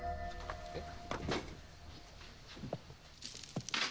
えっ？